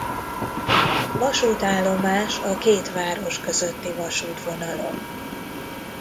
Vasútállomás a két város közötti vasútvonalon.